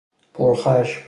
پرخشم